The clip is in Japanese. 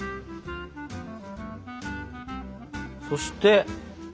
そして。